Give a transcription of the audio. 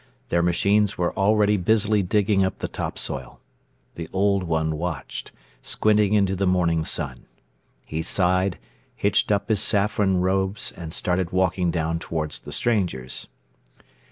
Their machines were already busily digging up the topsoil. The Old One watched, squinting into the morning sun. He sighed, hitched up his saffron robes and started walking down toward the strangers.